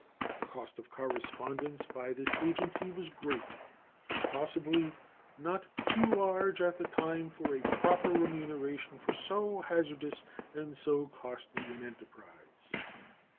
The cost of correspondence by this agency was great, possibly not too large at the time for a proper remuneration for so hazardous and so costly an enterprise.